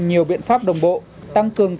nhiều biện pháp đồng bộ tăng cường